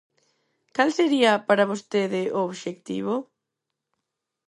Cal sería, para vostede, o obxectivo?